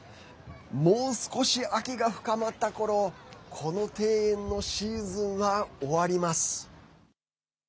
もう少し秋が深まったころこの庭園のシーズンは終わります。